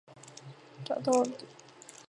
达到了顶点。